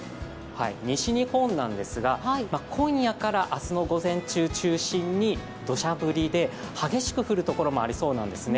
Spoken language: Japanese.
西日本なんですが、今夜から明日の午前中中心にどしゃ降りで激しく降るところもありそうなんですね。